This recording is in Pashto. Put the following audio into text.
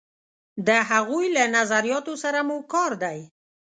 د هغوی له نظریاتو سره مو کار دی.